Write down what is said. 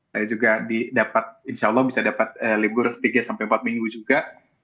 saya juga dapat insya allah bisa dapat libur tiga sampai empat minggu juga